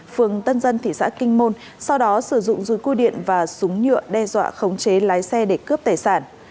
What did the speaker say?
phường tân dân thị xã kinh môn sau đó sử dụng dùi cui điện và súng nhựa đe dọa khống chế lái xe để cướp tài sản